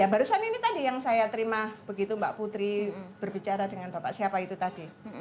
ya barusan ini tadi yang saya terima begitu mbak putri berbicara dengan bapak siapa itu tadi